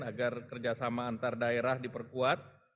agar kerjasama antar daerah diperkuat